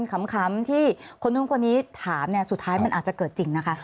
คำที่คนนู้นคนนี้ถามเนี่ยสุดท้ายมันอาจจะเกิดจริงนะคะ